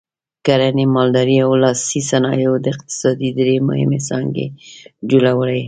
کرنې، مالدارۍ او لاسي صنایعو د اقتصاد درې مهمې څانګې جوړولې.